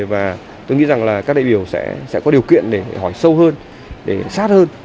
và tôi nghĩ rằng là các đại biểu sẽ có điều kiện để hỏi sâu hơn để sát hơn